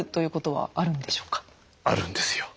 あるんですよ。